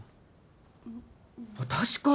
確かに。